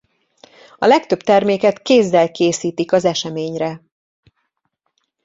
A legtöbb terméket kézzel készítik az eseményre.